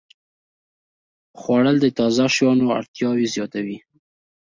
خوړل د تازه شیانو اړتیا زیاتوي